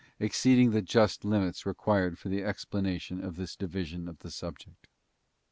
exceeding the just limits required for the explanation of this division of the subject.